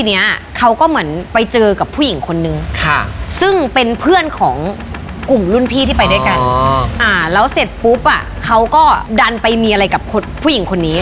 เนี่ยเขาคุยกับผู้หญิงคนนี้นะเห็นใช่ไหมที่คุย